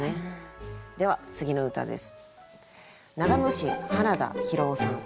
では次の歌です。